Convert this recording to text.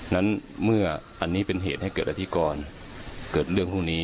นั้นเมื่ออันนี้เป็นเหตุให้เกิดอธิกรเกิดเรื่องพวกนี้